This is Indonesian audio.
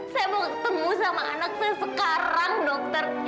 saya mau ketemu sama anak saya sekarang dokter